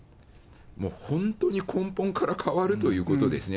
もう本当に、根本から変わるということですね。